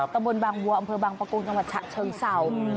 ตำบลบางวัวอำเภอบางประกงจังหวัดฉะเชิงเศร้า